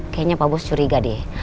kayaknya pak bos curiga deh